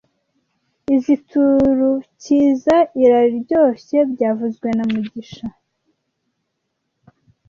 Izoi turukizoa iraryoshye byavuzwe na mugisha